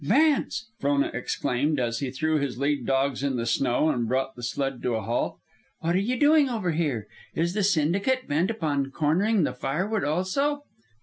"Vance!" Frona exclaimed, as he threw his lead dogs in the snow and brought the sled to a halt. "What are you doing over here? Is the syndicate bent upon cornering the firewood also?"